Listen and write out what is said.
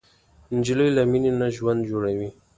نجلۍ له مینې نه ژوند جوړوي.